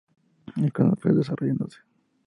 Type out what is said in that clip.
El condado fue desarrollándose.